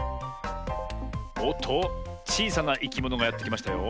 おっとちいさないきものがやってきましたよ。